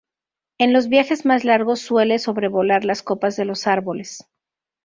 En los viajes más largos suele sobrevolar las copas de los árboles.